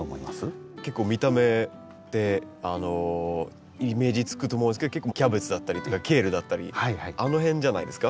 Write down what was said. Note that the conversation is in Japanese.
結構見た目でイメージつくと思うんですけどキャベツだったりとかケールだったりあの辺じゃないですか？